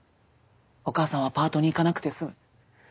お母さんはパートに行かなくて済む。